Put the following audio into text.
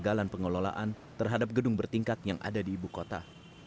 kegagalan pengelolaan terhadap gedung bertingkat yang ada di ibu kota